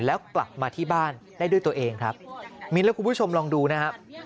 แล้วกลับมาที่บ้านได้ด้วยตัวเองครับมิ้นและคุณผู้ชมลองดูนะครับ